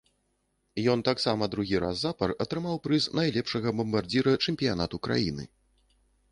Ён таксама другі раз запар атрымаў прыз найлепшага бамбардзіра чэмпіянату краіны.